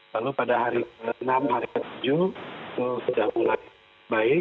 lalu pada hari ke enam hari ke tujuh itu sudah mulai baik